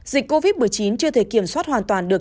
dịch covid một mươi chín chưa thể kiểm soát hoàn toàn được